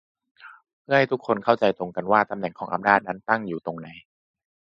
เพื่อให้ทุกคนเข้าใจตรงกันว่าตำแหน่งของอำนาจนั้นตั้งอยู่ตรงไหน